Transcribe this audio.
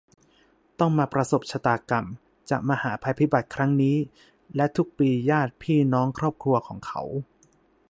ต้องมาประสบชะตากรรม จากมหาภัยพิบัติครั้งนี้ และ ทุกปีญาติ พี่ น้อง ครอบครัว ของเขา